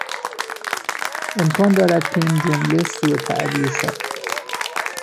امکان دارد که این جمله سو تعبیر شود.